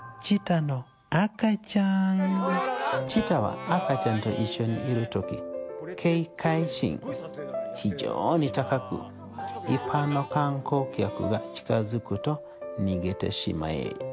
チーターは赤ちゃんと一緒にいる時警戒心非常に高く一般の観光客が近付くと逃げてしまいます。